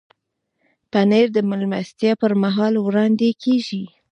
پنېر د میلمستیا پر مهال وړاندې کېږي.